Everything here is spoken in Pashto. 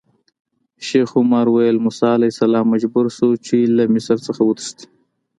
شیخ عمر ویل: موسی علیه السلام مجبور شو چې له مصر څخه وتښتي.